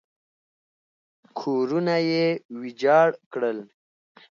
کورونه یې ویجاړ کړل.